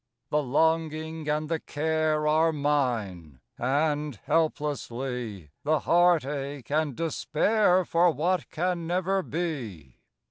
_ _The longing and the care Are mine; and, helplessly, The heartache and despair For what can never be.